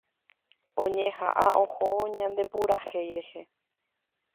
Oñeha'ã ohóvo ñande purahéi rehe.